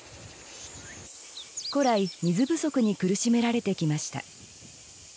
古来水不足に苦しめられてきました。